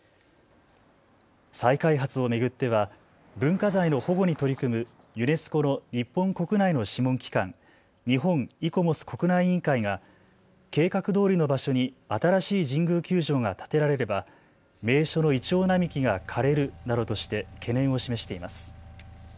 再開発を巡っては文化財の保護に取り組むユネスコの日本国内の諮問機関、日本イコモス国内委員会が計画どおりの場所に新しい神宮球場が建てられれば名所のイチョウ並木が枯れるなどとして懸念を示しています。